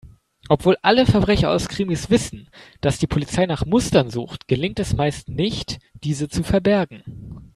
Obwohl alle Verbrecher aus Krimis wissen, dass die Polizei nach Mustern sucht, gelingt es meist nicht, diese zu verbergen.